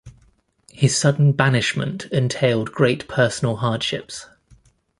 His sudden banishment entailed great personal hardships.